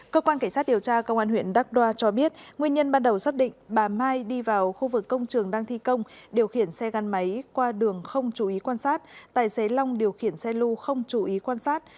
cơ quan cảnh sát điều tra công an huyện đắk đoa cho biết nguyên nhân ban đầu xác định bà mai đi vào khu vực công trường đang thi công điều khiển xe gắn máy qua đường không chú ý quan sát tài xế long điều khiển xe lưu không chú ý quan sát